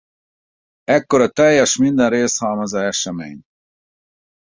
Ekkor a teljes minden részhalmaza esemény.